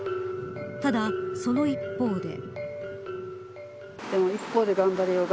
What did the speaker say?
ただ、その一方で。